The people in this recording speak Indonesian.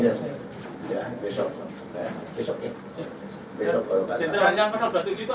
di lapangan pemeriksaan tersahkan ds atau dilakukan penahanan langsung